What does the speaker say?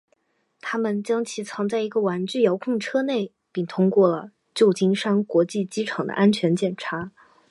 他们将其藏在一个玩具遥控车内并通过了旧金山国际机场的安全检查。